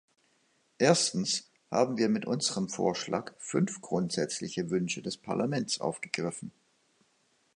Erstens haben wir mit unserem Vorschlag fünf grundsätzliche Wünsche des Parlaments aufgegriffen.